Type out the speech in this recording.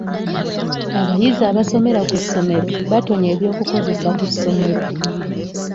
Abayizi abasomera ku ssomero batonye eby'okukozesa ku ssomero.